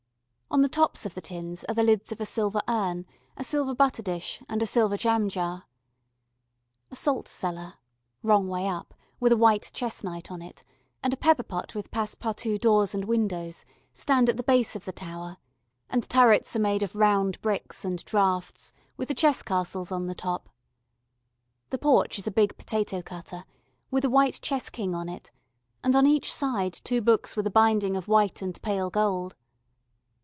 On the tops of the tins are the lids of a silver urn, a silver butter dish, and a silver jam jar. A salt cellar (wrong way up, with a white chess knight on it) and a pepper pot with passe partout doors and windows stand at the base of the tower, and turrets are made of round bricks and draughts, with the chess castles on the top. The porch is a big potato cutter, with a white chess king on it, and on each side two books with a binding of white and pale gold.